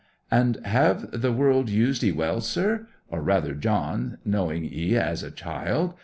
'And have the world used 'ee well, sir—or rather John, knowing 'ee as a child?